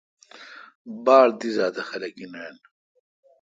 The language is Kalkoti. با ڑ دی زات اہ خلق این رن۔